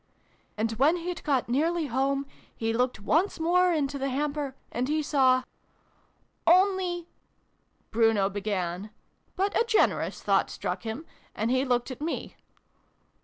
" And when he'd got nearly home, he looked once more into the hamper, and he saw " Only " Bruno began, but a generous thought struck him, and he looked at me.